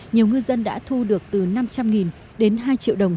nhiều ngư dân đã thu được từ năm trăm linh đến hai triệu đồng